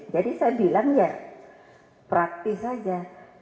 jadi saya bilang ya praktis saja